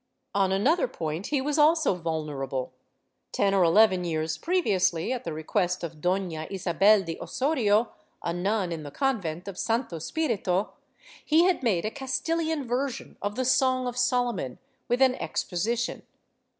^ On another point he was also vulnerable. Ten or eleven years previously, at the request of Doiia Isabel de Osorio, a nun in the convent of Santo Spirito, he had made a CastiUan version of the Song of Solomon, with an exposition.